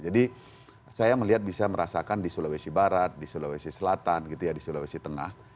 jadi saya melihat bisa merasakan di sulawesi barat di sulawesi selatan gitu ya di sulawesi tengah